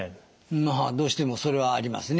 どうしてもそれはありますね。